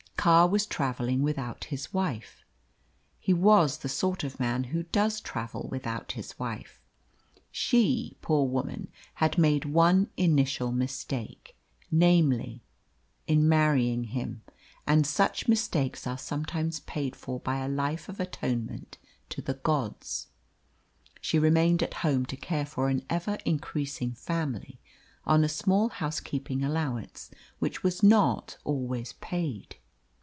Carr was travelling without his wife he was the sort of man who does travel without his wife. She, poor woman, had made one initial mistake, namely, in marrying him, and such mistakes are sometimes paid for by a life of atonement to the gods. She remained at home to care for an ever increasing family on a small housekeeping allowance, which was not always paid.